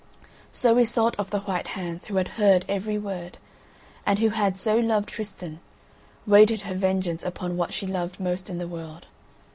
So Iseult of the White Hands, who had heard every word, and who had so loved Tristan, waited her vengeance upon what she loved most in the world.